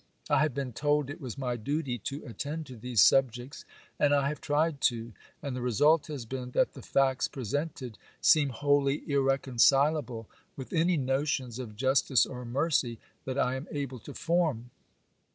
I have been told it was my duty to attend to these subjects, and I have tried to,—and the result has been that the facts presented seem wholly irreconcilable with any notions of justice or mercy that I am able to form.